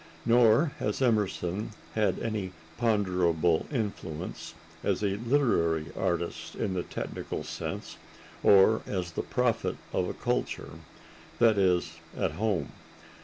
Nor has Emerson had any ponderable influence as a literary artist in the technical sense, or as the prophet of a culture—that is, at home.